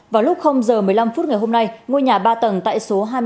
vào lúc giờ một mươi năm phút ngày hôm nay ngôi nhà ba tầng tại số hai mươi bảy